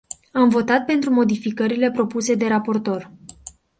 Am votat pentru modificările propuse de raportor.